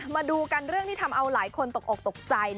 มาดูกันเรื่องที่ทำเอาหลายคนตกออกตกใจ